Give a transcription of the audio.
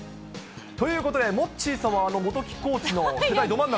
ということで、モッチーさんは元木コーチの世代ど真ん中。